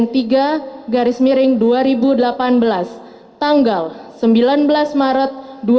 tanggal sembilan belas maret dua ribu delapan belas